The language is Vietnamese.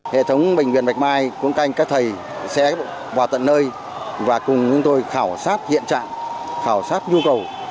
hệ thống bệnh viện bạch mai cuốn canh các thầy sẽ vào tận nơi và cùng chúng tôi khảo sát hiện trạng khảo sát nhu cầu